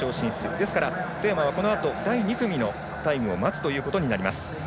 ですから外山はこのあと第２組のタイムを待つということになります。